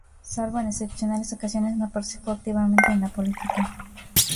Salvo en excepcionales ocasiones, no participó activamente en la política.